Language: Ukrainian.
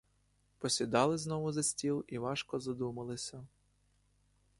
Посідали знову за стіл і важко задумалися.